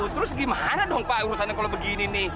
terus gimana dong pak urusannya kalau begini nih